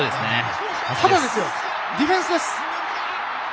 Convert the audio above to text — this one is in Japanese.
ただ、ディフェンスです。